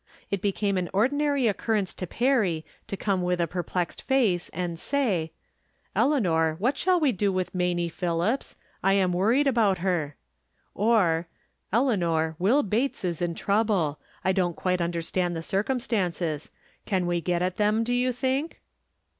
It became an ordinary occurrence to Perry to come with a perplexed face and say :" Eleanor, what shall we do with Maynie Phil lips ? I am worried about her." Or, " Eleanor, WiU Bates is in trouble. I don't quite under stand the circumstances. Can we get at them, do you think?"